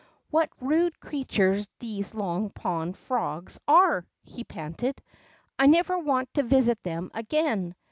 What rude creatures these Lons: Pond frocks are !" he panted. I never want to visit them again